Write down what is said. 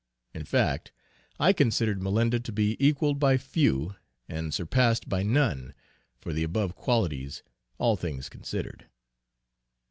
In fact, I considered Malinda to be equalled by few, and surpassed by none, for the above qualities, all things considered.